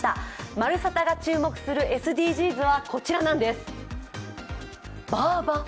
「まるサタ」が注目するＳＤＧｓはこちらなんです。